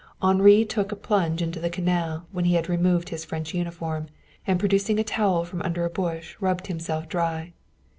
Henri took a plunge into the canal when he had removed his French uniform, and producing a towel from under a bush rubbed himself dry.